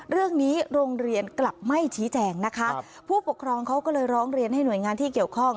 เรื่องนี้โรงเรียนกลับไม่ชี้แจงนะคะผู้ปกครองเขาก็เลยร้องเรียนให้หน่วยงานที่เกี่ยวข้อง